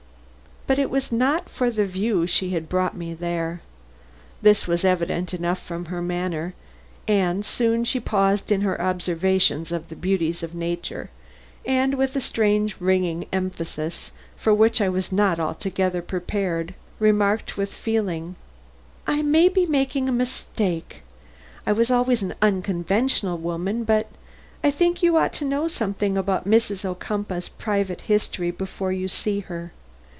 But it was not for the view she had brought me there. This was evident enough from her manner, and soon she paused in her observations on the beauties of nature, and with a strange ringing emphasis for which I was not altogether prepared, remarked with feeling: "I may be making a mistake I was always an unconventional woman but I think you ought to know something of Mrs. Ocumpaugh's private history before you see her.